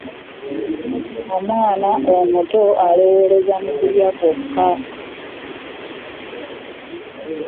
Omwana omuto alowoleza mu kulya kwokka.